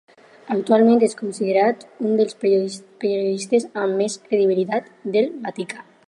Actualment és considerat un dels periodistes amb més credibilitat del Vaticà.